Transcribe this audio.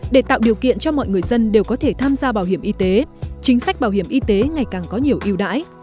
để tạo điều kiện cho mọi người dân đều có thể tham gia bảo hiểm y tế chính sách bảo hiểm y tế ngày càng có nhiều yêu đãi